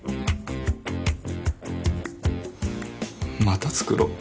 また作ろう。